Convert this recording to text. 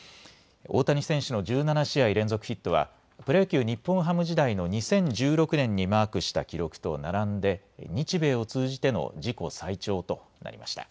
大谷選手の１７試合連続ヒットはプロ野球・日本ハム時代の２０１６年にマークした記録と並んで日米を通じての自己最長となりました。